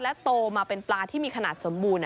โตมาเป็นปลาที่มีขนาดสมบูรณ์